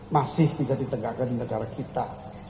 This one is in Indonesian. masih bisa ditegakkan di negara kita